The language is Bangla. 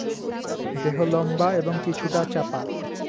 দেহ লম্বা এবং কিছুটা চাপা।